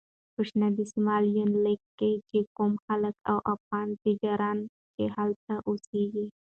په شین دسمال یونلیک کې چې کوم خلک او افغان تجاران چې هلته اوسېږي.